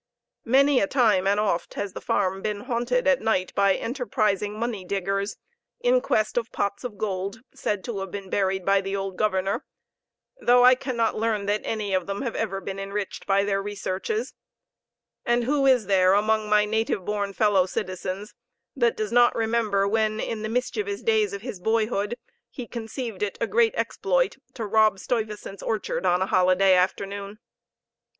Many a time and oft has the farm been haunted at night by enterprising money diggers, in quest of pots of gold, said to have been buried by the old governor, though I cannot learn that any of them have ever been enriched by their researches; and who is there, among my native born fellow citizens, that does not remember when, in the mischievous days of his boyhood, he conceived it a great exploit to rob "Stuyvesant's orchard" on a holiday afternoon?